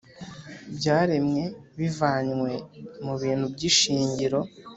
byaremwe bivanywe mu bintu by’ishingiro.